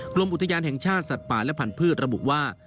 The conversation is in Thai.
กรมอุทยานแห่งชาติสัตว์ป่าและพันธุ์ระบุว่า